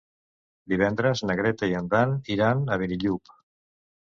Divendres na Greta i en Dan iran a Benillup.